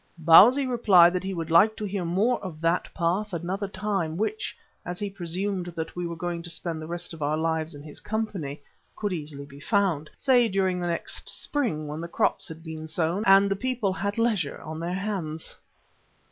Bausi replied that he would like to hear more of that path another time which, as he presumed that we were going to spend the rest of our lives in his company, could easily be found say during the next spring when the crops had been sown and the people had leisure on their hands.